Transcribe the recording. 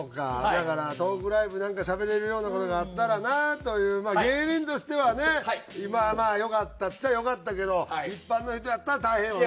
だからトークライブでなんかしゃべれるような事があったらなというまあ芸人としてはねまあまあよかったっちゃよかったけど一般の人やったら大変よ